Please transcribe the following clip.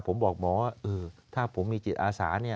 ผมบอกหมอว่าถ้าผมมีจิตอาสา